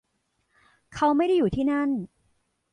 เขาไม่ได้อยู่ที่นั่น